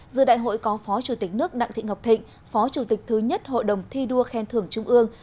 giữa đại hội có phó chủ tịch nước đặng thị ngọc thịnh phó chủ tịch thứ nhất hội đồng thi đua khen thưởng trung ương